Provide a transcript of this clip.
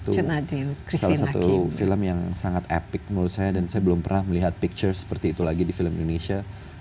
itu salah satu film yang sangat epic menurut saya dan saya belum pernah melihat picture seperti itu lagi di film indonesia